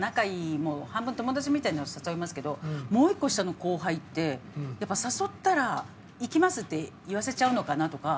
もう半分友達みたいなのは誘いますけどもう１個下の後輩ってやっぱり誘ったら「行きます」って言わせちゃうのかなとか。